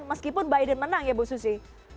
meskipun biden menang ya bu susi